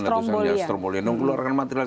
letusan nunggu luarkan material